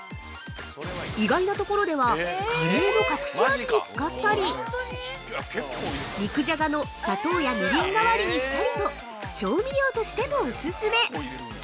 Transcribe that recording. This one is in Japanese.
意外なところでは、カレーの隠し味に使ったり、肉じゃがの砂糖やみりん代わりにしたりと、調味料としてもオススメ。